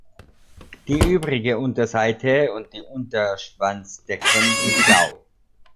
Die übrige Unterseite und die Unterschwanzdecken sind blau.